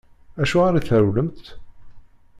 Acuɣeṛ i trewlemt?